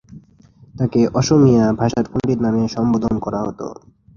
তাকে অসমীয়া ভাষার পণ্ডিত নামে সম্বোধন করা হত।